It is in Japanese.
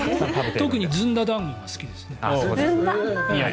特にずんだ団子が好きなんです。